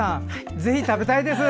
ぜひ食べたいです。